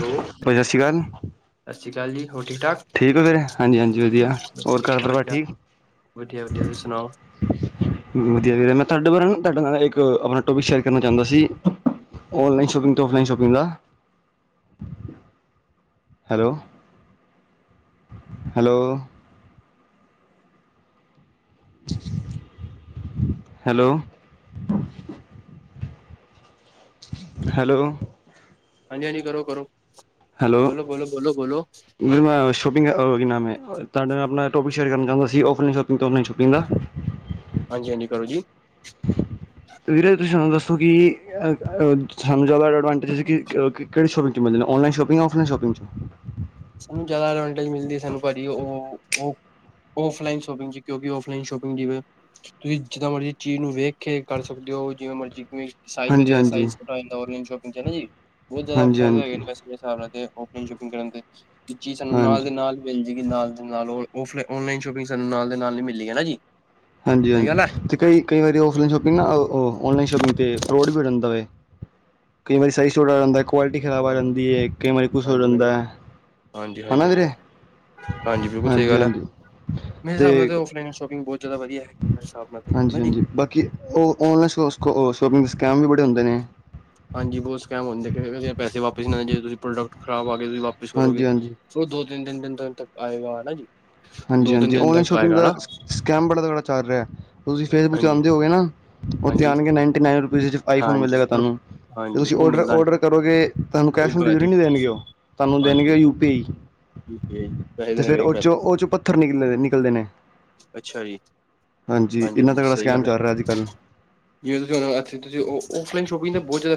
Hello ਭਾਜੀ ਸਤਿ ਸ਼੍ਰੀ ਅਕਾਲ ਸਤਿ ਸ਼੍ਰੀ ਅਕਾਲ ਜੀ ਹੋਰ ਠੀਕ ਠਾਕ ਠੀਕ ਹੋ ਫਰ ਹਾਂਜੀ ਹਾਂਜੀ ਵਧੀਆ ਹੋਰ ਘਰ ਵਧੀਆ ਪਰਿਵਾਰ ਵਧੀਆ ਠੀਕ ਵਧੀਆ ਵਧੀਆ ਤੁਸੀਂ ਸੁਣਾਓ ਵਧੀਆ ਵੀਰ ਮੈਂ ਤੁਹਾਡੇ ਬਾਰੇ ਤੁਹਾਡੇ ਨਾਲ ਇੱਕ ਆਪਣਾ ਟੋਪਿਕ ਸ਼ੇਅਰ ਕਰਨਾ ਚਾਹੁੰਦਾ ਸੀ ਔਨਲਾਈਨ ਸ਼ੋਪਿੰਗ ਤੇ ਆਫਈਨ ਸ਼ੋਪਿੰਗ ਦਾ ਹੈਲੋ ਹੈਲੋ ਹੈਲੋ ਹੈਲੋ ਹਾਂਜੀ ਹਾਂਜੀ ਕਰੋ ਕਰੋ ਹੈਲੋ ਬੋਲੋ ਬੋਲੋ ਬੋਲੋ ਬੋਲੋ ਵੀਰ ਮੈਂ ਸ਼ੋਪਿੰਗੀ ਕੀ ਨਾਮ ਐ ਤੁਹਾਡੇ ਨਾਲ ਆਪਣਾ ਟੋਪਿਕ ਸ਼ੇਅਰ ਕਰ ਚਾਹੁੰਦਾ ਸੀ ਆਫਲਾਈਨ ਤੇ ਆਨਲਾਈਨ ਸ਼ੋਪਿੰਗ ਦਾ ਹਾਂਜੀ ਹਾਂਜੀ ਕਰੋ ਜੀ ਵੀਰੇ ਤੁਸੀਂ ਸਾਨੂੰ ਦੱਸੋ ਕਿ ਸਾਨੂੰ ਜ਼ਿਆਦਾ ਅਡਵਾਂਟੇਜ ਕਿਹੜੀ ਸ਼ੋਪਿੰਗ ਚੋਂ ਮਿਲਦੇ ਨੇ ਆਨਲਾਈਨ ਜਾਂ ਆਫਲਾਈਨ ਸ਼ੋਪਿੰਗ ਸਾਨੂੰ ਜ਼ਿਆਦਾ ਐਡਵਾਂਟੇਜ ਮਿਲਦੀ ਸਾਨੂੰ ਭਾਜੀ ਉਹ ਆਫਲਾਈਨ ਸ਼ੋਪਿੰਗ ਚ ਕਿਉਂਕਿ ਔਫਲਾਈਨ ਸ਼ੋਪਿੰਗ ਜਿਵੇ ਤੁਸੀਂ ਜਿੱਦਾਂ ਮਰਜ਼ੀ ਚੀਜ਼ ਨੂੰ ਵੇਖ ਕੇ ਕਰ ਸਕਦੇ ਹੋ ਜਿਵੇਂ ਮਰਜੀ ਕੋਈ ਸਾਈਜ਼ ਹਾਂਜੀ ਵਗੈਰਾ ਹਾਂਜੀ ਸਾਈਜ਼ ਛੋਟਾ ਆਨਲਾਈਨ ਸ਼ੋਪਿੰਗ [unintelligible] ਬਹੁਤ ਜਿਆਦਾ ਹਾਂਜੀ ਫਾਇਦਾ ਹੈਗੇ ਹਾਂਜੀ ਨੇ ਵੈਸੇ [unintelligible] ਔਨਲਾਈਨ ਸ਼ੋਪਿੰਗ ਕਰਨ ਤੇ [inaudible] ਇੱਕ ਚੀਜ਼ ਸਾਨੂੰ ਹਾਂਜੀ ਨਾਲ ਦੇ ਨਾਲ ਮਿਲ ਜਾਏਗੀ ਨਾਲ ਦੇ ਨਾਲ ਉਹ ਔਫਲਾ ਆਨਲਾਈਨ ਸ਼ੋਪਿੰਗ ਸਾਨੂੰ ਨਾਲ ਦੇ ਨਾਲ ਹੀ ਮਿਲੇਗੀ ਨਾ ਜੀ ਹਾਂਜੀ ਸਹੀ ਹਾਂਜੀ ਗੱਲ ਹੈ ਤੇ ਕਈ ਕਈ ਵਾਰੀ ਔਫਲਾਈਨ ਸ਼ੋਪਿੰਗ ਨਾ ਔਨਲਾਈਨ ਸ਼ੋਪਿੰਗ ਤੇ ਫਰੋਡ ਵੀ ਹੋ ਜਾਂਦਾ ਵੈ ਕਈ ਵਾਰੀ ਸਾਈਜ਼ ਛੋਟਾ ਆ ਜਾਂਦਾ, ਕੁਆਲਿਟੀ ਖ਼ਰਾਬ ਆ ਹਾਂ ਜਾਂਦੀ ਹੈ, ਕਈ ਵਾਰੀ ਕੁਛ ਹੋ ਹਾਂਜੀ ਮੈਂ ਜਾਂਦਾ, ਹਾਂਜੀ ਹੈ ਹਾਂਜੀ ਨਾ ਵੀਰੇ‌। ਹਾਂਜੀ ਹਾਂਜੀ ਬਿਲਕੁਲ ਸਹੀ ਗੱਲ ਹੈ ਹਾਂਜੀ-ਹਾਂਜੀ। ਮੇਰੇ ਹਿਸਾਬ ਨਾਲ ਅਤੇ, ਤਾਂ ਔਫਲਾਈਨ ਸ਼ੋਪਿੰਗ ਬਹੁਤ ਜ਼ਿਆਦਾ ਵਧੀਆ ਹੈ ਮੇਰੇ ਹਿਸਾਬ ਨਾਲ ਤੇ ਹਨਾ ਜੀ ਹਾਂਜੀ-ਹਾਂਜੀ ਬਾਕੀ ਉਹ ਔਨਲਾਈਨ ਸ਼ੋਪਿੰਗ ਸਕੈਮ ਵੀ, ਬ ਹੂੰਦੇ ਨੇ। ਹਾਂਜੀ। ਬਹੁਤ ਸਕੈਮ ਹੁੰਦੇ ਪੇ। ਪੈਸੇ ਵਾਪਿਸ ਨੀ ਆਏ, ਜੇ ਤੁਸੀ ਪ੍ਰੋਡਕਟ ਖਰਾਬ ਆ ਤੁਸੀਂ ਵਾਪਿਸ ਕਰੋਗੇ ਹਾਂਜੀ ਹਾਂਜੀ ਫਿਰ, ਉਹ ਦੋ ਤਿੰਨ ਦਿਨ- ਦਿਨ ਤ, ਦਿਨ ਤੱਕ ਆਏਗਾ ਨਾ ਜੀ। ਹਾਂਜੀ-ਹਾਂਜੀ।'ਔਨਲਾਈਨ' ਸ਼ੋਪਿੰਗ ਦਾ ਸਕੈਮ ਬੜਾ ਤਗੜਾ ਚਲ ਰੇਆ ਤੁਸੀਂ ਫੇਸਬੁੱਕ'ਚ ਹਾਂਜੀ ਆਂਦੇ ਹੋਗੇ ਨਾ? ਔਥੇ, ਹਾਂਜੀ ਆਣਗੇ ਨਾਈੰਟੀ-ਨਾਈਨ ਰੁ ਵੀਦੇ'ਚ ਆਈਫੋਨ ਹਾਂਜੀ ਮਿਲੇਗਾ ਪਰ ਤਾਨੂੰ, ਹਾਂਜੀ ਤੁਸੀਂ ਉਹ ਔਡਰ- ਮਿਲਦਾ ਨੀ ਔਡਰ ਕਰੋਗੇ ਤਾਨੂੰ ਉਹ ਕੈਸ਼ ਆਨ ਡਿਲੀਵਰੀ ਨੀ ਦੇਣਗੇ ਓ, ਤਾਨੂੰ ਦੇਣਗੇ U P I. U P I, ਪੈਹੇ ਤੇ ਲੇਣੇ ਫੇਰ ਬੀ ਐਂ ਉਹ ਕਰਲੋ। ਚੋਂ ਉਹ ਚੋਂ ਪੱਥਰ ਨਿਕਲੇ ਨਿਕਲਦੇ ਨੇ ਅੱਛਾ ਜੀ, ਹਾਂਜੀ ਇੰਨਾ ਹਾਂਜੀ-ਹਾਂਜੀ ਤਗੜਾ ਸਹੀ ਸਕੈਮ ਗੱਲ ਆ, ਚੱਲ ਰਿਹਾ ਅੱਜ ਕੱਲ੍ਹ ਜਿਵੇ ਤੁਸੀਂ ਹੋਣ ਐਥੇ ਤੁਸੀਂ ਔਫਲਾਈਨ ਸ਼ੋਪਿੰਗ ਬੋਤ ਜੈਦਾ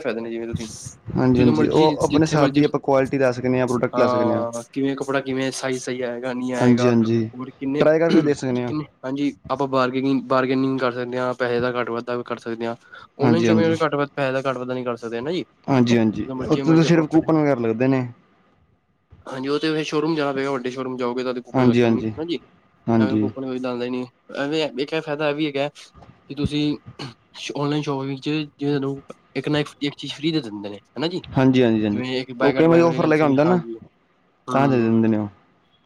ਹਾਂਜੀ ਹਾਂਜੀ। ਓ ਅਪਣੇ ਜਿੱਥੇ ਮਰਜ਼ੀ ਹਸਾਬ ਦੀ ਆਪਾ ਕਵਾਲਿਟੀ ਲੈ ਸਕਨੇ ਆਂ, ਪ੍ਰੋਡਕਟ ਲੈ ਸਕਨੇ ਆਂ। ਹਾਂ ਕਿਵੇਂ ਕੱਪੜਾ, ਕਿਵੇਂ ਸਾਈਜ਼, ਸਹੀ ਆਏਗਾ, ਨੀ ਹਾਂਜੀ ਆਏਗਾ, ਹਾਂਜੀ ਹੋਰ ਟਰਾਈ ਕਰਕੇ ਵੀ ਦੇਖ ਸਕਦੇ ਹਾਂ ਕਿੰਨੇ-ਕਿੰਨੇ ਹਾਂਜੀ। ਆਪਾਂ ਬਾਰਗੇਨਿੰਗ- ਬਾਰਗੇਨਿੰਗ ਕਰ ਦੇਣੇ ਆਂ, ਪੈਹੇ ਦਾ ਘੱਟ-ਵਾਧਾ ਵੀ ਕਰ ਸਕਦੇ ਆਂ। 'ਔਨਲਾਈਨ' ਸੋ਼ਪਿੰਗ ਐਂਵੇ ਘੱਟ-ਵੱਧ ਪੈਹੇ ਲੱਗ ਘੱਟ-ਵਾੱਧਾ ਨੀ ਕਰ ਸਕਦੇ ਨਾ ਜੀ ਹਾਂਜੀ-ਹਾਂਜੀ, ਜਿੱਦਾਂ ਮਰਜ਼ੀ ਉਥੋਂ ਤੇ ਮਰਜ਼ੀ ਆਪਾਂ ਸਿਰਫ਼ ਪਹਿਲੇ ਕੂਪਨ ਵਗੈਰਾ ਲੱਗਦੇ ਨੇ। ਹਾਂਜੀ ਉਹ ਤੇ ਫਿਰ, ਸ਼ੋਰੂਮ ਜਾਣਾ ਪਏਗਾ ਵੱਡੇ ਸ਼ੋਰੂਮ ਜਾਓਗੇ, ਤਦੇ ਕੂਪਨ ਹਾਂਜੀ ਲੱਗਣਗੇ ਹਾਂਜੀ ਹਾੰਜੀ, ਐਵੇਂ ਹਾਂਜੀ ਕੂਪਨ ਕੋਈ ਲਾਂਦਾ ਨੀ। ਐਵੇਂ ਵੇਖੇਐ, ਫੈਦਾ ਐਵੀ ਹੈਗੈ, ਕਿ ਤੁਸੀਂ 'ਔਨਲਾਈਨ ਸ਼ੋਪਿੰਗ' 'ਵਿੱਚ ਜਿਵੇ ਤਾਨੂੰ ਇੱਕ ਨਾ ਇੱਕ ਚੀਜ਼, ਫ੍ਰੀ ਦੇ ਦਿੰਦੇ ਨੇ। ਹਨਾ ਜੀ। ਹਾਂਜੀ ਹਾਂਜੀ ਹਾਂਜੀ ਜਿਵੇਂ ਇੱਕ ਉਹ ਬਾਏ ਗੈਟ ਕਈ ਵਾਰੀ ਔਫਰ ਲੈ ਵੇਗੈਟ ਕੇ ਫ੍ਰੀ ਆਉਂਦਾ ਨਾ ਹਾਂਜੀ। ਤਾਂ ਦੇ ਹੂੰ ਦਿੰਦੇ ਨੇ, ਔ।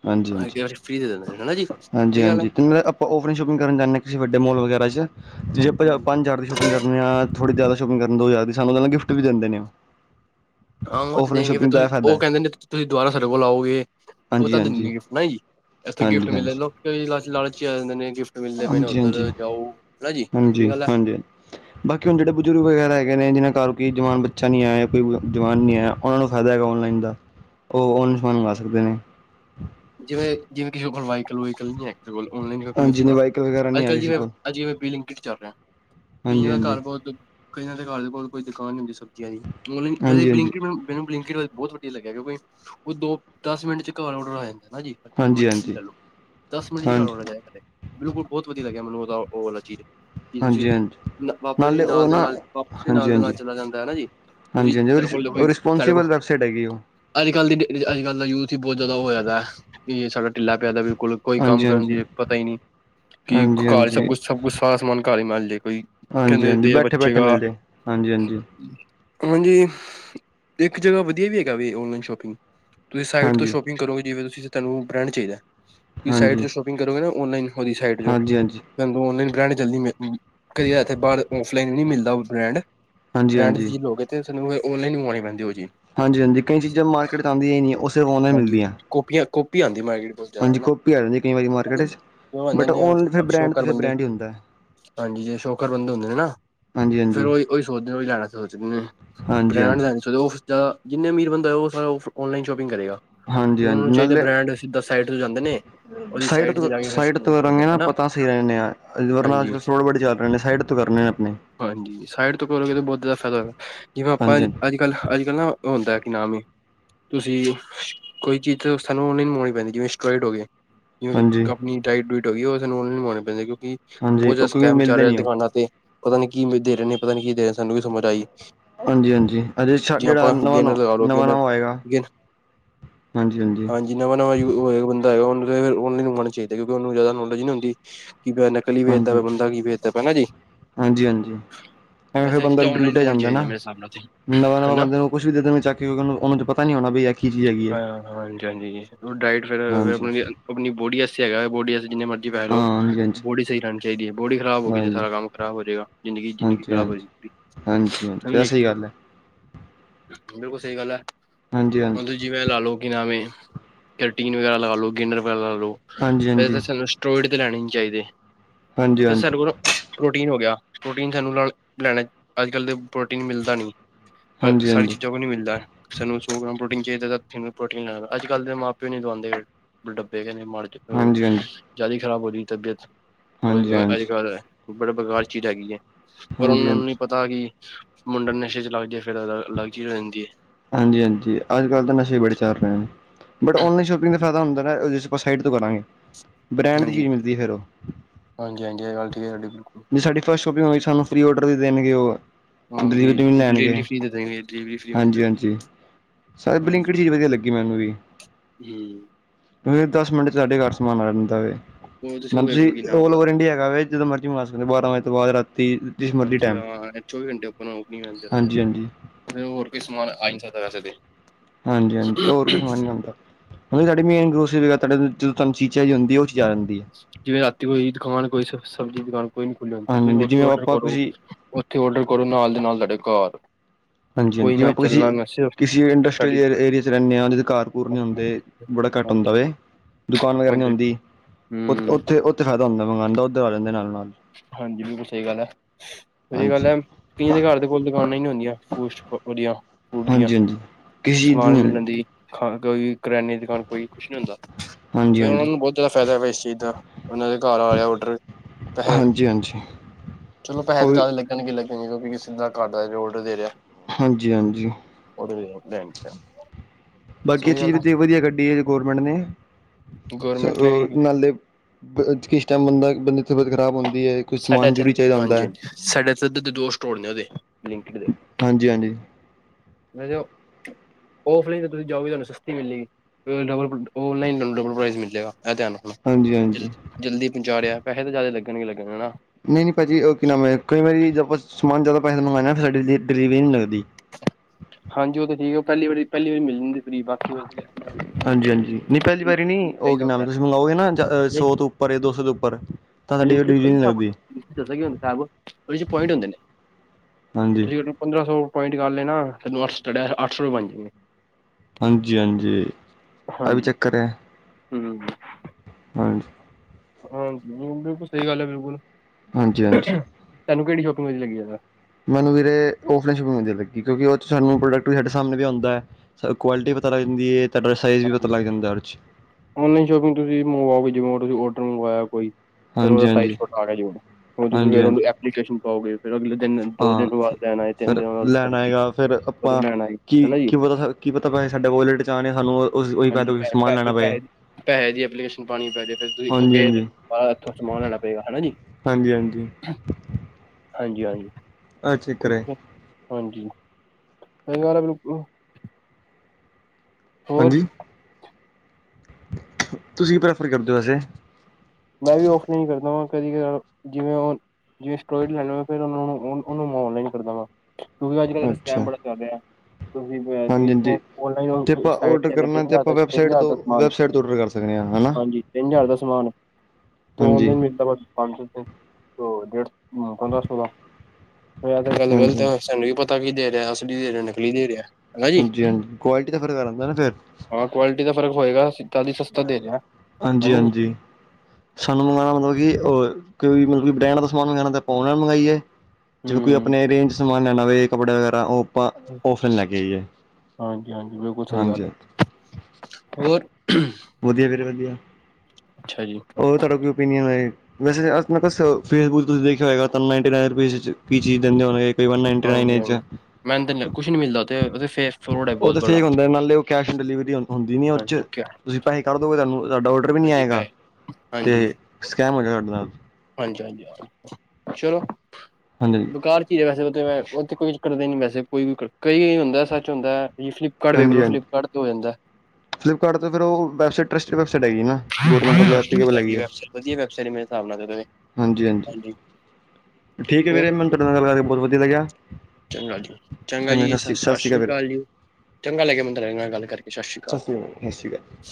ਹਾਂਜੀ-ਹਾਂਜੀ- ਫ੍ਰੀ ਦੇ ਦਿੰਦੇ ਨੇ ਹਨਾ ਜੀ ਹਾਂਜੀ- ਸਹੀ ਗੱਲ ਹੈ ਹਾਂਜੀ, ਕਿਣੇ ਅਪਾਂ ਔਫਲਾਈਨ ਸ਼ੋਪਿੰਗ ਕਰਨ ਜਾਂਨੇ ਆਂ ਕਿਸੇ ਵੱਡੇ ਮੋਲ ਵਗੈਰਾ 'ਚ ਜੇ ਅਪਾ ਜਾ ਹੂੰ ਪੰਜ- ਹਜ਼ਾਰ ਦੀ ਸ਼ੋਪਿੰਗ ਕਰਨੇ ਆਂ ਥੋੜੀ ਜਿਆਦਾ ਸ਼ੋਪਿੰਗ ਕਰਨ ਦੋ ਹਜਾਰ ਦੀ, ਸਾੰਨੂ ਉਦੇ ਨਾਲ ਗਿਫਟ ਵੀ ਦਿੰਦੇ ਨੇ ਆਓਗਾ ਤੇ, ਔਫਲਾਈਨ ਦੇਂਗੇ ਫੇਰ ਸ਼ੋਪਿੰਗ ਦਾ ਤੁਸੀਂ ਇਹ ਫਾਇਦਾ ਹੈ ਔ ਕੈੰਦੇ ਨੇ, ਤੁਸੀਂ ਦੁਬਾਰਾ ਸਾਡੇ ਕੋਲ ਆਓਗੇ, ਔ ਹਾਂਜੀ ਤਾ ਹਾਂਜੀ ਦਿੰਣੀ ਗਿਫਟ ਨਹੀਂ ਜੀ, ਐਥੇ ਹਾਂਜੀ ਗਿਫਟ ਹਾਂਜੀ ਮਿਲੇ ਲੋਕ ਕਈ ਲਾ ਲਾਲਚ'ਚ ਆ ਜਾਂਦੇ ਨੇ ਗਿਫ ਹਾਂਜੀ-ਹਾਂਜੀ। ਸਹੀ ਹਾਂਜੀ-ਹਾਂਜੀ। ਗੱਲ ਹੈ ਹਾਂਜੇ, ਬਾਕੀ ਹੁਣ, ਜੇੜੇ ਬਜ਼ੁਰਗ ਵਗੈਰਾ ਹੈਗੇ ਨੇ, ਜਿਨਾਂ ਕਾਰ ਕੀਜ ਜਵਾਨ ਬੱਚਾ ਨੀ ਆਯਾ, ਕੋਈ ਜਵਾਨ ਨੀ ਆਯਾ, ੳਹਨਾਂ ਨੂੰ ਫੈਦਾ ਹੈਗਾ, 'ਔਨਲਾਈਨ' ਦਾ ਔ ਔੰਝ ਫੋਣ ਮਾਰ ਸਕਦੇ ਨੇ। ਜਿਵੇਂ ਜਿਵੇਂ ਕਿਸੀ ਕੋਲ ਵਾਈਟ ਕਲ ਵੀਕਲ ਨੀ ਹੈ। ਕਿਸੀ ਕੋਲ ਔਨਲਾਈਨ ਸੋ਼ਪਿੰਗ ਹਾਂਜੀ ਅਸਤੇ ਜਿਵੇਂ ਬੜਾ ਵਾਹੀਕਲ ਵਗੈਰਾ ਨਹੀਂ ਹੈ ਅਜ-ਕੱਲ ਕਿਸੇ ਜਿੰਵੇ ਕੋਲ ਆ ਜਿਵੇਂ ਬਿਲੀਂਗ ਕਿਟ ਚੱਲ ਰਿਐ। ਕਈਆਂ ਹਾਂਜੀ ਦਾ ਹਾਂਜੀ ਘਰ ਬੌਹਤ ਕਈਆਂ ਦੇ ਘਰ ਕੋਲ ਕੋਈ ਦੁਕਾਨ ਹੁੰਦੀ ਸਬਜ਼ੀ ਆਲੀ ੳਨਲਾਇਨ ਕਰੇ ਹਾਂਜੀ ਹਾਂਜੀ ਬਿਲਿਂਕਿਂਗ ਬਹੁਤ ਵਧੀਆ ਲੱਗਿਆ ਕਿਉਂਕਿ ਉਹ ਦੋ ਦਸ ਮਿੰਟ ਚ ਘਰ ਔਡਰ ਆ ਜਾਦਾ। ਹਾਣ ਜੀ ਹਾਂਜੀ ਹਾਂਜੀ ਦਸ ਮਿੰਟ ਚ ਘਰ ਹਾਂਜੀ ਔਡਰ ਬਿਲਕੁਲ ਬਹੁ ਵਧੀਆ ਲੱਗਿਆ ਮਨੂੰ ਉਹਦਾ ਉਹ ਵਾਲਾ ਚੀਜ਼ ਜ ਤੁਸੀਂ ਹਾਂਜੀ ਹਾਂਜੀ ਵਾਪਸ ਵੀ ਨਾਲੇ ਉਹ ਨਾਲ ਦੇ ਨਾ ਨਾਲ ਵਾਪਸ ਵੀ ਹਾਂਜੀ ਨਾਲ ਦੇ ਨਾਲ ਹਾਂਜੀ ਚਲਾ ਜਾਂਦਾ ਹਨਾ ਜੀ ਤੁਸੀਂ ਹਾਂਜੀ ਤੇਡ ਹਾਂਜੀ ਕੋਲ ਉਹ ਰਿਸਪੋਂਸੀਬਲ ਵੈਬਸਾਈਟ ਹੈਗੀ ਉਹ ਅੱਜ ਕੱਲ ਦੀ ਡੇਟ ਅੱਜ ਕੱਲ ਦਾ ਯੂਥ ਹੀ ਬਹੁਤ ਜ਼ਿਆਦਾ ਉਹ ਹੋਇਆ ਪਿਆ। ਕਿ ਸਾਡਾ ਟਿੱਲਾ ਪਿਆ ਦਾ ਵੀ ਕੋਲ ਕੋਈ ਕੰਮ ਹਾਂਜੀ ਕਰਨ ਹਾਂਜੀ ਦੀ ਪਤਾ ਹੀ ਨਹੀ ਕਿ ਹਾਂਜੀ ਕਾਲ ਸਭ ਹਾਂਜੀ ਕੁਛ ਸਭ ਕੁਛ ਸਾਰਾ ਸਮਾਨ ਘਰ ਮਿਲ ਜਾਦਾ। ਕੋਈ ਹਾਂਜੀ ਕਹਿੰਦੇ ਹਾਂਜੀ ਤੇਲ ਬੈਠੇ ਬੈਠੇ ਬਚੇਗਾ ਮਿਲਦੇ ਹਾਂਜੀ ਹਾਂਜੀ ਹਾਂਜੀ ਇੱਕ ਜਗ੍ਹਾ ਵਧੀਆ ਵੀ ਹੈਗਾ ਵੀ ਔਨਲਾਈਨ ਸ਼ੋਪਿੰਗ ਤੁਸੀਂ ਸਾਈਟ ਤੋਂ ਹਾਂਜੀ ਹਾਂਜੀ ਸ਼ੋਪਿੰਗ ਕਰੋਗੇ ਜਿਵੇਂ ਤੁਸੀਂ ਤੁਹਾਨੂੰ ਬ੍ਰੇਡ ਚਾਹੀਦਾ ਤੁਸੀਂ ਸਾਈਟ ਹਾਂਜੀ ਚ ਸ਼ੋਪਿੰਗ ਕਰੋਗੇ ਨਾ ਔਨਲਾਈਨ ਉਹਦੀ ਸਾਈਡ ਚੋ ਹਾਂਜੀ ਮੈ [inaudible] ਬ੍ਰੈਡ ਚਲਨੀ ਕਈ ਇੱਥੇ ਬਾਹਰ ਔਫਲਾਈਨ ਨੀ ਮਿਲਦਾ ੳਹ ਬ੍ਰੈਂਡ ਹਾਂਜੀ ਬ੍ਰੈਂਡ ਦੀ ਹਾਂਜੀ ਚੀਜ ਲੱਗੇ ਗਏ ਤੇ ਔਨਲਾਨ ਮੰਗਵਾਣੀ ਪੈਂਦੀ। ਚੀਜ਼ ਹਾਂਜੀ ਹਾਂਜੀ ਕਈ ਚੀਜ਼ਾਂ ਮਾਰਕੀਟ ਚ ਆਉਂਦੀਆਂ ਹੀ ਨਹੀਂ ਉਸ ਹਾਂਜੀ ਕੋਪੀਆਂ। ਕੋਚੀ ਆਣਦੀ ਮਾਰਕੀਟ ਚ ਮੇਰੇ ਕੋਲ ਜਾਦਾ ਹਾਂਜੀ ਹਨਾ ਕਾਪੀ ਆ ਜਾਂਦੀ ਕਈ ਵਾਰੀ ਮਾਰਕੀਟ 'ਚ ਬਟ ਔਨ ਫਿਰ ਬ੍ਰੈਂਡ ਤੇ ਸ਼ੋਕਰ ਫਿਰ ਬੰਦੇ ਬ੍ਰੈਂਡ ਹੀ ਹੁੰਦਾ ਹਾਜੀ ਸ਼ੋਕਰ ਬੰਦੇ ਹੁੰਦੇ ਨੇ ਨਾ ਹਾਂਜੀ ਫੇਰ ਹਾਂਜੀ ਉਹ ਉਹੀ ਸੋਚਦੇ ਉਹੀ ਲੈਣਾ ਸੋਚਦੇ ਨੇ ਹਾਂਜੀ ਬ੍ਰਾਂਡ ਹਾਂਜੀ ਲੈਣਾ ਸੋਚਦੇ ਨੇ। ਜਾਂ ਜਿੰਨੇ ਅਮੀਰ ਬੰਦਾ ਉਹ ਸਾ ਉਹ ਔਨਲਾਈਨ ਸ਼ੋਪਿੰਗ ਕਰੇਗਾ। ਹਾਂਜੀ ਉਹ ਨੂੰ ਹਾਂਜੀ ਚਾਹੀਦਾ ਨਾਲੇ ਬ੍ਰਾਂਡਿੱ ਸਾਈਡ ਤੋਂ ਜਾਂਦੇ ਨੇ ਉਹਦੀ ਸਾਈਡ ਸਾਈਟ ਤੋਂ ਜਾ ਕੇ ਸਾਈਡ ਫਿਰੂ ਤੋਂ ਕਰਦੇ ਕਰਾਂਗੇ ਨੇ ਨਾ ਹਨਾ ਪਤਾ ਸਹੀ ਰਹਿੰਦੇ ਆ ਵਰਨਾ ਅੱਜ ਹਾਂਜੀ ਕੱਲ ਫਰੋਡ ਬੜੇ ਚੱਲ ਰਹੇ ਨੇ ਸਾਈਡ ਤੋਂ ਕਰਨੇ ਨੇ ਆਪਣੇ ਹਾਂਜੀ ਸਾਈਟ ਤੋਂ ਕਰੋਗੇ ਬਹੁਤ ਜ਼ਿਆਦਾ ਫਾਇਦਾ ਹੋਗਾ ਜਿਵੇਂ ਆਪਾਂ ਹਾਂਜੀ ਹਾਂਜੀ ਅੱਜ ਕਲ ਅੱਜ ਕਲ ਨਾ ਹੁੰਦਾ। ਕੀ ਨਾਮ ਈ ਤੁਸੀ। ਕੋਈ ਚੀਜ਼ ਸਾਨੂੰ ਉਹ ਔਨਲਾਈਨ ਮੰਗਵਾਨੀ ਪੈਂਦੀ ਜਿਵੇਂ ਸਕਲਂਟ ਹੋਗੀ। [unintelligible] ਹਾਂਜੀ ਆਪਣੀ ਡਾਈ [unintelligible] ਉਹ ਸਾਨੂੰ ਨੀ ਪੈਂਦੇ ਬਹੁਤ ਹਾਂਜੀ ਜ਼ਿਆਦਾ ਉਹ ਕਿਉਂਕਿ ਸਕੈਮ ਚੱਲ ਮਿਲਦੇ ਰਿਹਾ ਨਹੀਂ ਉਹ ਦੁਕਾਨਾਂ ਤੇ ਪਤਾ ਨੀ ਕੀ ਦੇ ਰਹੇ ਨੇ ਪਤਾ ਨੀ ਕੀ ਦੇ ਰਹੇ ਸਾਨੂੰ ਵੀ ਸਮਝ ਆਈ ਹਾਂਜੀ ਹਾਂਜੀ ਹਜ ਜੇ ਜਿਹੜਾ ਆਪਾਂ ਨਵਾਂ ਗੇਨਰ ਨ ਲਗਾ ਲਓ ਨਵਾਂ ਗੇਨਰ ਨਵਾਂ ਆਏਗਾ ਹਾਂਜੀ ਨਵਾਂ ਨਵਾਂ ਯ ਹੋ ਬੰਦਾ ਨੂੰਣਾ ਚਾਹੀਦਾ ਕਿਉਂਕਿ ਉਹਨੂੰ ਜ਼ਿਆਦਾ ਨੌਲੇਜ ਨਹੀਂ ਹੁੰਦੀ ਕੀ ਬ ਨਕਲੀ ਵੇਚਦਾ ਹਾਂਜੀ ਪਿਆ ਬੰਦਾ ਕੀ ਵੇਚਦਾ ਹੈ ਨਾ ਜੀ ਹਾਂਜੀ ਹਾਂਜੀ ਐਵੇਂ ਫਿਰ ਵੈਸੇ ਇਹ ਬੰਦਾ ਚੀਜ਼ਾਂ ਔਨਲਾਈਨ ਲੁੱਟਿਆ ਮੰਗਵਾਉਣੀ ਜਾਂਦਾ ਨਾ ਚਾਹੀਦੀਆਂ ਮੇਰੇ ਹਿਸਾਬ ਨਾਲ ਤੇ ਨਵਾਂ ਨਵਾਂ ਹਨਾ ਬੰਦੇ ਨੂੰ ਕੁਛ ਵੀ ਦੇ ਦੇ ਚੱਕ ਕੇ ਕਿਉਂ ਉਹਨਾਂ ਪਤਾ ਨੀ ਹੋਣਾ ਵੀ ਕੀ ਚੀਜ਼ ਹੈਗੀ ਹੈ। ਹਾਂ ਹਾਂਜੀ ਹਾਂਜੀ ਡਾਇਟ ਫੇਰ ਹਾਂਜੀ, ਆਪਣੀ ਬੋਡੀ ਵਸਤੇ ਹੈਗਾ [inaudible] ਜਿੰਨੇ ਮਰਜ਼ੀ ਬੇਹ ਹਾਂ ਲਓ ਹਾਂਜੀ-ਹਾਂਜੀ, ਬੋਡੀ ਸਹੀ ਰਹਿਣੀ ਚਾਹੀਦੀ ਹੈ ਬੋਡੀ ਖ਼ਰਾਬ ਹੋ ਗਈ ਤੇ ਹਾਂਜੀ, ਸਾਰਾ ਕੰਮ ਖਰਾਬ ਹੋ ਜਾਏਗਾ ਜ਼ਿੰਦਗੀ ਜ਼ਿੰਦਗੀ ਖ਼ਰਾਬ ਹੋ ਹਾਂਜੀ-ਹਾਂਜੀ, ਜਾਏਗੀ ਹਾਂਜੀ-ਹਾਂਜੀ ਸਮਝੇ ਇਹ ਜੀ। ਸਹੀ ਗੱਲ ਹੈ। ਬਿਲਕੁਲ ਸਹੀ ਗੱਲ ਹੈ। ਹਾਂਜੀ-ਹਾਂਜੀ, ਹਾਜੀ ਜੀਵੇੈਂ ਲਾਲੋ ਕਿ ਨਵੇ ਕੰਟੀਨ ਵਗੈਰਾ ਲਗਾ ਲਓ ਗਿਨਰ ਹਾਂਜੀ-ਹਾਂਜੀ, [unintelligible] ਲੈਣੇ ਨੀ ਚਾਹੀਦੇ। ਹਾਂਜੀ-ਹਾਂਜੀ, ਹਾਂਜੀ-ਹਾਂਜੀ, ਸਾਡੇ ਕੋਲ ਪ੍ਰੋਟੀਨ ਹੋ ਗਿਆ ਪ੍ਰੋਟੀਨ ਸਾਨੂੰ ਲ ਲੈਣਾ ਅੱਜ ਕੱਲ ਦੇ ਪ੍ਰੋਟੀਨ ਮਿਲਦਾ ਨੀ ਸਾਰੀ ਹਾਂਜੀ-ਹਾਂਜੀ, ਚੀਜ਼ਾਂ ਕੋਲ ਨਹੀਂ ਮਿਲਦਾ ਸਾਨੂੰ ਪ੍ਰੋਟੀਨ ਚਾਹੀਦਾ ਤਾਂ ਫਿਰ ਪ੍ਰੋਟੀਨ ਲੱਗਦਾ ਅੱਜ ਕੱਲ ਦੇ ਮਾਂ ਪਿਓ ਨੀ ਦਵਾਉਂਦੇ ਡੱਬੇ ਗ ਮਾਵਾਂ ਜਾਂ ਉਹ ਹਾਂਜੀ-ਹਾਂਜੀ, ਜ਼ਿਆਦਾ ਈ ਖਰਾਬ ਹੋ ਰਹੀ ਤਬੀਅਤ। ਅ ਅਜ ਕੱਲ ਹੈ। ਬੜਾ ਬਗਾਰ ਚੀਜ਼ ਹੈਗੀ ਹੈ। ਪਰ ਉਹਨੂੰ ਹਾਂਜੀ-ਹਾਂਜੀ, ਨੂੰ ਪਤਾ ਕਿ ਮੁੰਡੇ ਨਸ਼ੇ ਚ ਲੱਗ ਗਏ ਫੇਰ ਅਲਗ ਚੀਜ਼ ਹੋ ਜਾਦੀ ਹੈ। ਹਾਂਜੀ ਹਾਂਜੀ ਅੱਜ ਕੱਲ੍ਹ ਤਾਂ ਨਸ਼ੇ ਬੜੇ ਚੱਲ ਰਹੇ ਨੇ ਬਟ ਔਨਲਾਈਨ ਸ਼ੋਪਿੰਗ ਦਾ ਫਾਇਦਾ ਹੁੰਦਾ। ਆਪਾਂ ਸਾਈਡ ਤੋਂ ਕਰਾਂਗੇ। ਬ੍ਰੈਂਡ ਦੀ ਚੀਜ਼ ਹਾਂਜੀ ਮਿਲਦੀ ਹੈ ਫੇਰ ਉਹ ਹਾਂਜੀ ਹਾਂਜੀ ਇਹ ਗੱਲ ਠੀਕ ਹੈ ਤੁਹਾਡੀ ਬਿਲਕੁਲ ਵੀ ਸਾਨੂੰ ਫਰੀ ਔਡਰ ਵੀ ਦੇਣਗੇ ਉਹ ਹਾਂਜੀ ਡਿਲੀਵਰੀ ਵੀ ਲੈਣਗੇ ਡਿਲੀਵਰੀ ਫਰੀ ਦੇ ਦੇਣਗੇ ਡਿਲੀਵਰੀ ਫਰੀ ਮਿਲ ਹਾਂਜੀ ਜਾਂਦੀ ਹਾਂਜੀ ਸਾਰੇ ਬਲਿੰਕਡ ਚੀਜ਼ ਵਧੀਆ ਲੱਗੀ ਮੈਨੂੰ ਵੀ। ਹੂੰ ਪੁਰੇ ਦਸ ਮਿੰਟ ਚ ਸਾਡੇ ਘਰ ਸਮਾਨ ਆ ਜਾਂਦਾ ਹੈ। ਉਹ ਮੈ ਉਹ ਵੇਖ ਤੁਸੀਂ ਲਓ ਕੀ ਨਾਮ ਆਲ ਉਹਦਾ ਓਵਰ ਇੰਡੀਆ ਹੈਗਾ ਵੇ ਜਦੋਂ ਮਰਜ਼ੀ ਬਸ ਹੁਣ‌ ਬਾਰਾਂ ਬਜੇ ਤੋ ਬਾਅਦ ਰਾਤੀ ਜਿਸ ਮਰਜ਼ੀ ਹਾਂਜੀ ਆ ਟਾਈਮ। ਐਚ ਓਪਨ ਨਹੀਂ ਮਿਲ ਜਾਂਦਾ ਹਾਂਜੀ-ਹਾਂਜੀ, ਫਿਰ ਹੋਰ ਕੋਈ ਸਮਾਨ ਆ ਨਹੀਂ ਸਕਦਾ [inaudible] ਹਾਂਜੀ-ਹਾਂਜੀ ਹੋਰ ਕੋਈ ਸਮਾਨ ਨੀ ਆਉਂਦਾ ਸਾਡੇ ਮੇਨ ਗਰੋ ਸਾਡੇ ਜਦੋਂ ਤੁਹਾਨੂੰ ਚੀ ਚਾਹੀ ਹੁੰਦੀ ਉਹ ਆ ਜਾਂਦੀ ਹੈ। ਜਿਵੇਂ ਰਾਤੀ ਕੋਈ ਈਦ ਖਾਣ ਕੋਇਸ ਸਬਜ਼ੀ ਦੀ ਦੁਕਾਨ ਕੋਈ ਨੀ ਖੁੱਲੇ ਹੁੰਦੀ ਤੁਸੀਂ ਹਾਂਜੀ-ਹਾਂਜੀ ਉੱਥੇ ਜਿਵੇਂ ਔਡਰ ਆਪਾਂ ਕਰੋ ਕਿਸੀ ਉੱਥੇ ਔਡਰ ਕਰੋ ਨਾਲ ਦੇ ਨਾਲ ਤੁਹਾਡੇ ਘਰ ਹਾਂਜੀ-ਹਾਂਜੀ ਕੋਈ ਨਾ ਜਿਵੇਂ ਕਿਸੇ ਚੱਲਣਾ ਮੈਂ ਸਿਰਫ ਕਿਸੇ ਸਾਡੀ ਇੰਡਸਟਰੀਅਲ ਏਰੀਏ 'ਚ ਰਹਿੰਦੇ ਹਾਂ ਉਹਦੇ 'ਤੇ ਘਰ ਨਹੀਂ ਆਉਂਦੇ ਬੜਾ ਘੱਟ ਹੁੰਦਾ ਹਾਂਜੀ ਹੈ ਦੁਕਾਨ ਵਗੈਰਾ ਨਹੀਂ ਹਾਂਜੀ ਆਉਂਦੀ ਹੂੰ ਉੱਥੇ ਉੱਥੇ ਫਾਇਦਾ ਹੁੰਦਾ ਮਕਾਨ ਦੁੱਧ ਵਲਿਆਦਾ ਮੇਰੇ ਨਾਲੋ ਨਾਲ ਹਾਂਜੀ ਬਿਲਕੁਲ ਸਹੀ ਗੱਲ ਹੈ ਸਹੀ ਗੱਲ ਹਾਂਜੀ, ਹੈ ਕਈਆਂ ਦੇ ਘਰ ਦੇ ਕੋਲ ਦੁਕਾਨਾਂ ਹੀ ਨਹੀ ਹੁੰਦੀਆ ਫੁਸ਼ ਪਾਪੋਲੀਆ ਹਾਂਜੀ-ਹਾਂਜੀ ਕਿਸੇ ਚੀਜ਼ ਦੀਆਂ ਖਾਂ ਗਈ ਕਰਿਆਨ ਦੀ ਦੁਕਾਨ ਕੋਈ ਕੁਛ ਨੀ ਹੁੰਦਾ ਫਿਰ ਉਹਨਾਂ ਹਾਂਜੀ-ਹਾਂਜੀ, ਨੂੰ ਬਹੁਤ ਜ਼ਿਆਦਾ ਫਾਇਦਾ ਸ਼ੇਦਾ ਉਹਨਾਂ ਦੇ ਘਰ ਆਗਿਆ ਔਡਰ ਪੇਹੇ ਹਾਂਜੀ-ਹਾਂਜੀ ਚਲੋ ਪੇਹੇ ਤਾਂ ਉਹੀ ਜ਼ਿਆਦਾ ਲੱਗਣ ਗੇ ਲਗਣਗੇ ਉਨਾ ਦਾ ਬੀ ਸਿੱਧਾ ਘਾਟ ਰੋਡ ਦਾ ਆਰਡਰ ਦੇ ਰਿਹਾ ਹੈ ਹਾਂਜੀ-ਹਾਂਜੀ ਲੈਣ ਸਹੀ ਬਾਕੀ ਇਹ ਗੱਲ ਚੀਜ਼ ਵਧ ਵਧੀਆ ਗੱਡੀ ਹੈ ਗੌਰਮੈਂਟ ਨੇ ਹੈ ਗੌਰਮੈਂਟ ਨੇ ਨਾਲੇ ਕਿਸ ਟਾਈਮ ਬੰਦਾ ਬੰਦੇ ਤਬੀਯਤ ਖਰਾਬ ਹੁੰਦੀ ਹੈ ਕੁਛ ਸਾਡੇ ਸਮਾਨ ਇੱਥੇ ਜ਼ਰੂਰੀ ਚਾਹੀਦਾ ਹੁੰਦਾ ਹੈ ਹਾਂਜੀ-ਹਾਂਜੀ ਸਾਡੇ ਇਥੇ ਦੋ ਸਟੋਰ ਨੇ ਉਹਦੇ ਹਾਂਜੀ-ਹਾਂਜੀ ਮੈਂ ਔਫਲਾਈਨ ਤਾਂ ਤੁਸੀਂ ਜਾਓਗੇ ਤੁਹਾਨੂੰ ਸਸਤੀ ਮਿਲੇਗੀ ਡਬਲ ਔਨਲਾਈਨ ਤੁਹਾਨੂੰ ਡਬਲ ਪਰਾਈਜ਼ ਮਿਲਜੇਗਾ। ਇਹ ਧਿਆਨ ਰੱਖਣਾ ਹਾਂਜੀ ਜਲ ਹਾਂਜੀ ਜਲਦੀ ਪਹੁੰਚਾਰਿਐ। ਪੈਸੇ ਤਾਂ ਜਾਦੇ ਲਗਣਗੇ ਹੀ ਲੱਗਣਗੇ। [inaudible] ਨਹੀਂ-ਨਹੀਂ ਭਾਜੀ ਕਿ ਨਾਮ ਐ ਕਈ ਵਾਰੀ ਸਮਾਨ ਜਾਦਾ ਪਾਇਆ ਮੈ ਥਰੈਡਿੰਗ ਡਰੀ ਵੀ ਨੀ ਲੱਗਦਾ [inaudible] ਹਾਂਜੀ ਉਹ ਤਾਂ ਠੀਕ ਆ ਪਹਿਲੀ ਵਾਰੀ ਪਹਿਲੀ ਵਾਰੀ ਮਿਲ ਮੈਨੂੰ ਰੱਖਣੀ ਬਾਕੀ ਹੋ ਗਿਆ। ਹਾਂਜੀ-ਹਾਂਜੀ ਨਹੀਂ ਪਹਿਲੀ ਵਾਰੀ ਨੀ ਉਹ ਮ ਹੁੰਦਾ ਮੰਗਾਓਗੇ ਨਾ ਆ ਸੋ ਤੋਂ ਉੱਪਰ ਦੋ ਸੌ ਤੋਂ ਉਪ ਪਰ [inaudible] ਬਲਿੰਕਟ ਤਰੀਕਾ ਬਹੁ ਵਧੀਆ ਉਹਦੇ ਚ ਪੁਆਇੰਟ ਹੁੰਦੇ ਨੇ ਹਾਂਜੀ ਜਿਵੇ ਪੰਦਰਾਂ ਸੌ। ਪੁਆਇੰਟ ਕਰ ਲੈਣਾ ਤੈਨੂੰ ਅੱਠ ਸੌ ਸਾਢੇ ਅੱਠ ਸੌ ਬਣਜੂ। ਹਾਂਜੀ-ਹਾਂਜੀ ਆ ਵੀ ਹਾਂਜੀ ਚੱਕਰ ਹੈ। ਹੂੰ। ਹਾਂਜੀ ਹਾਂਜੀ ਬਿਲਕੁਲ ਸਹੀ ਗੱਲ ਹੈ ਬਿਲਕੁਲ ਹਾਂਜੀ-ਹਾਂਜੀ। ਤੈਨੂੰ ਕਿਹੜੀ ਸ਼ੋਪਿੰਗ ਵਿੱਚ ਲੱਗੀ ਜਾ ਗਾ ਔਫਲਾਈਨ ਸ਼ੋਪਿੰਗ ਵਧੀਆ ਲੱਗੀ ਕਿਉਂਕਿ ਉਹ ਸਾਨੂੰ ਪ੍ਰੋਡਕਟ ਵੀ ਸਾਡੇ ਸਾਹਮਣੇ ਵੀ ਆਉਂਦਾ ਹੈ ਕੁਆਲਿਟੀ ਪਤਾ ਲੱਗ ਜਾਂਦੀ ਏ। ਹਾਂਜੀ ਓਨਲਾਈਨ ਸ਼ੋਪਿੰਗ ਤੁਸੀਂ ਤੁਸੀਂ ਮੰਗਵਾਓਗੇ ਜਿਵੇ ਤੁਸੀਂ ਔਡਰ ਮੰਗਵਾਇਆ ਕੋਈ ਫ ਹਾਂਜੀ ਉਹਦਾ ਸਾਈਜ਼ ਹਾਂਜੀ ਛੋਟਾ ਆ ਗਿਆ ਜੀ ਹੁਣ-ਹੁਣ ਤੁਸੀਂ ਹਾਂਜੀ ਉਹਨੂੰ ਹਾਂਜੀ ਫੇਰ ਐਪਲੀਕੇਸ਼ਨ ਪਾਓਗੇ। ਫਿਰ ਅਗਲੇ ਦਿਨ ਦੋ ਹਾਂ ਦਿਨ ਬਾਅਦ ਲੈਣ ਆਏ ਤਿੰਨ ਫਿਰ ਦਿਨ ਬਾਅਦ ਲੈਣ ਮਰਜ਼ੀ ਆਏਗਾ ਫਿਰ ਕਦੋਂ ਆਪਾਂ ਲੈਣ ਆਏ ਹਨਾ ਜੀ ਕੀ-ਕੀ ਪਤਾ ਕੀ ਪਤਾ ਪੈਸੇ ਸਾਡੇ ਵੋਲਟ ਚ ਆਣ ਸਾਨੂੰ ਉਸ ਉਹੀ ਪੈਸੇ ਹਾਂਜੀ ਤੋਂ ਸਮਾਨ ਲੈਣਾ ਪਏ ਪੈ-ਪੈ-ਪੈੇ ਦੀ ਪੈਸੇ ਦੀ ਐਪਲੀਕੇਸ਼ਨ ਪਾਣੀ ਪੈ ਜੇ ਫਿਰ ਤੁਸੀ ਹਾਂਜੀ ਕਹੋਗੇ ਹਾਂਜੀ ਬਾਅਦ ਇੱਥੋਂ ਸਮਾਨ ਲੈਣਾ ਪਏਗਾ ਹੈਨਾ ਜੀ। ਹਾਂਜੀ ਹਾਂਜੀ ਹਾਂਜੀ-ਹਾਂਜੀ। ਆਹ ਚੱਕਰ ਹੈ ਹਾਂਜੀ। ਹੈਗਾ ਬਿਲਕੁਲ। ਹੋਰ ਹਾਂਜੀ ਤੁਸੀਂ ਪ੍ਰੈਫਰ ਕਰਦੇ ਹੋ ਵੈਸੇ ਮੈਂ ਵੀ ਔਫ ਨਹੀਂ ਕਰਦਾ ਵਾ ਕਦੀ ਕ ਜਿਵੇਂ ਉਹ ਜਿਵੇਂ ਸਟੋਰੇ ਲੈ ਲ ਮ ਫਿਰ ਉਹਨਾਂ ਨੂੰ ਉਹਨੂੰ ਮੈਂ ਔਨਲਾਈਨ ਕਰਦਾ ਵਾਂ ਕਿਉਂਕਿ ਅੱਜ ਕੱਲ ਸਕੈਮ ਅੱਛਾ ਬੜਾ ਜ਼ਿਆਦਾ ਆ। ਤੁਸੀਂ ਹਾਂਜੀ ਹਾਂਜੀ ਅਤੇ ਔਨਲਾਈਨ ਆਪਾਂ ਸਾਈਟ ਔਡਰ ਤੇ ਆ ਕਰਨਾ ਤਿੰਨ ਤਾਂ ਹਜ਼ਾਰ ਆਪਾਂ ਦਾ ਤਿੰਨ ਵੈੱਬਸਾਈਟ ਹਜ਼ਾਰ ਤੋਂ ਦਾ ਸਮਾਨ, ਵੈੱਬਸਾਈਟ ਤੋਂ ਔਡਰ ਕਰ ਸਕਦੇ ਹਾਂ ਹੈ ਨਾ ਹਾਂਜੀ ਤਿੰਨ ਹਜ਼ਾਰ ਦਾ ਸਮਾਨ ਤੇ ਹਾਂਜੀ ਓਨਲਈਨ ਮਿਲਦਾ ਬਸ ਪੰਜ ਸ ਦਿ ਡੇਢ ਪੰਦਰਾਂ ਸੋਲਾਂ ਹੋ ਤਾਂ ਗੱਲ ਗਲਤ ਹਾਂਜੀ ਹੈ ਸਾਨੂੰ ਵੀ ਪਤਾ ਕੀ ਦੇ ਅ ਨਿਕਲੀ ਦੇ ਰਿਹਾ ਹੈਨਾ ਜੀ ਹਾਂਜੀ-ਹਾਂਜੀ। ਗਆਲਿਟੀ ਤਾਂ ਫਿਰ ਕਰ ਆਦਾ ਨਾ ਫਿਰ ਹਾਂ ਕੁਆਲਿਟੀ ਦਾ ਹੋਏਗਾ ਸੀ ਹਾਂਜੀ-ਹਾਂਜੀ। ਸਾਨੂੰ ਮੰਗਵਾਉਣਾ ਮਤਲਬ ਕਿ ਉਹ ਕੋਈ ਮਤਲਬ ਬ੍ਰੈਂਡ ਦਾ ਸਮਾਨ ਮੰਗਉਣਾ ਆਪ ਮੰਗਈਏ ਜਿਵੇਂ ਕੋਈ ਹੂੰ ਆਪਣੇ ਰੇਂਜ ਸਮਾਨ ਨਵੇਂ ਕੱਪੜੇ ਵਗੈਰਾ ਉਹ ਆਪਾਂ ਔਫਲਾਈਨ ਲੈ ਕੇ ਆਈਏ ਹਾਂਜੀ ਹਾਂਜੀ ਬਿਲਕੁਲ ਸਹੀ ਗੱਲ ਹਾਂਜੀ ਹੈ। ਹੋਰ ਵਧੀਆ ਫੇਰ ਵਧੀਆ ਅੱਛਾ ਜੀ ਉਹ ਤੁਹਾਡਾ ਕੀ ਓਪੀਨੀਅਨ ੲ ਵੈਸੇ ਫੇਸੁੱਕ ਚਖ ਹੋਗਾ ਤੁਹਾਨੂੰ ਕੀ ਚੀਜ਼ ਦਿੰਦੇ ਹੋਗੇ ਹਾਂਜੀ ਹਾਂਜੀ ਮੈਨੂੰ ਤੇ ਕੁਛ ਨੀ ਮਿਲਦਾ ਤੇ ਫੇਸ ਫਰੋਡ ਹੈ ਉਹ ਬਹੁਤ ਸ ਬੜਾ ਹੁੰਦਾ ਨਾਲੇ ਕ ਡਿਲੀਵ ਹੁੰ ਨ ਹਾਂਜੀ ਤੁਸੀਂ ਪੈਸੇ ਕ ਦੋਗੇੂੰਡਾ ਡਰ ਵੀ ਨ ਹਾਂਜੀ ਹਾਂਜੀ ਆਏਗਾ [inaudible] ਤੇ ਕੈ ਮਜ਼ਾ ਸਾਡੇ ਨਾਲ। ਹਾਂਜੀ ਹਾਂਜੀ -ਚਲੌ ਹਾਂਜੀ ਹਾਂਜੀ ਬੇਕਾਰ ਚੀਜ਼ ਹੈ ਵੈਸੇ [inaudible] ਉਥੇ ਕੋਈ ਕਰਦੇ ਹੀ ਨੀ ਵੈਸੇ ਕੋਈ ਵੀ ਕਈ ਹੁੰਦਾ ਸੱਚ ਹੁੰਦਾ। ਜੀ ਫਲਿੱਪਕਾਰਟ ਵੇਖ ਹਾਂਜੀ ਲੋ ਫਲਿੱਪਕਾਰਟ ਤੇ ਹੋ ਜਾਂਦਾ ਹਾਂਜੀਫਲਿਪਕਾਰਡ ਤ ਹੈ ਵਧੀਆਸ ਮੇਰੇ ਹਿਸਾਬ ਨਾਲ ਹਾਂਜੀ ਹਾਂਜੀ ਠੀਕ ਹੈ ਹੋਰ ਵੀਰੇ ਮੈਨੂੰ ਤੁਹਾਡੇ ਨਾਲ ਗਲ ਕਰਕੇ ਬਹੁਤ ਵਧੀਆ ਲੱਗਿਆ ਚੰਗਾ ਜੀ ਚੰਗਾ ਜੀ ਸਸਰੀ ਸਤਿ ਕਾਲ ਸ੍ਰੀ ਵੀਰੇ ਅਕਾਲ ਜੀ ਚੰਗਾ ਲੱਗਿਆ ਮੈਨੂੰ ਤੁਹਾਡੇ ਨਾਲ ਗੱਲ ਕਰਕੇ ਸਤਿ ਸ੍ਰੀ ਅਕਾਲ ਸਤਿ੍ਰੀ ਨ ਸ਼ਕ [unintelligible]